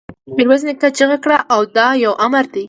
ميرويس نيکه چيغه کړه! دا يو امر دی!